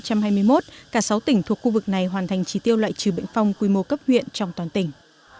cả sáu tỉnh thuộc khu vực này hoàn thành trí tiêu loại trừ bệnh phong quy mô cấp huyện trong toàn tỉnh